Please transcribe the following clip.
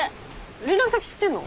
連絡先知ってんの？